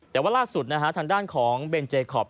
แต่ว่าล่าสุดนะฮะทางด้านของเบนเจคอป